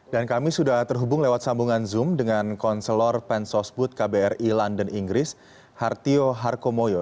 dan kami sudah terhubung lewat sambungan zoom dengan konselor pensosbud kbri london inggris hartio harkomoyo